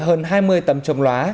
hơn hai mươi tầm trồng lóa